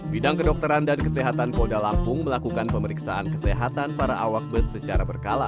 bidang kedokteran dan kesehatan polda lampung melakukan pemeriksaan kesehatan para awak bus secara berkala